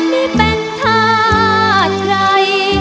ไม่เป็นทัศน์ร้าย